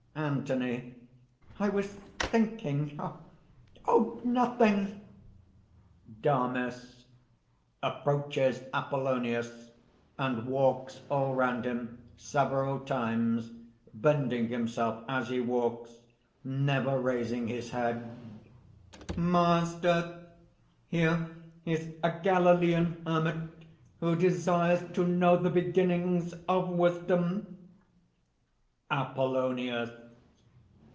ANTHONY. "I was thinking.... Oh! nothing!" DAMIS (approaches Apollonius, and walks all round him several times, bending himself as he walks, never raising his head: ) "Master, here is a Galilean hermit who desires to know the beginnings of wisdom." APOLLONIUS.